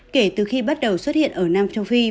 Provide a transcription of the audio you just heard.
kể từ khi bắt đầu xuất hiện ở nam trung quốc